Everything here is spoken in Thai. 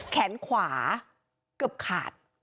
แขนขวาเกือบขาด